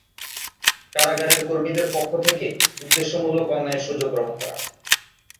কারাগারের কর্মীদের পক্ষ থেকে উদ্দেশ্যমূলক অন্যায়ের সুযোগ গ্রহণ করা।